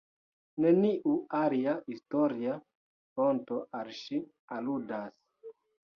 Neniu alia historia fonto al ŝi aludas.